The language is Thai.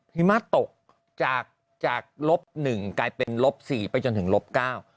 หิมะตกจากจากลบหนึ่งกลายเป็นลบสี่ไปจนถึงลบเก้า